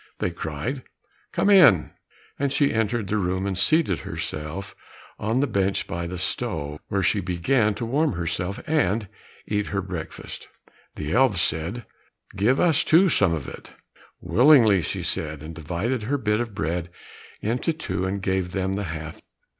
They cried, "Come in," and she entered the room and seated herself on the bench by the stove, where she began to warm herself and eat her breakfast. The elves said, "Give us, too, some of it." "Willingly," she said, and divided her bit of bread in two and gave them the half.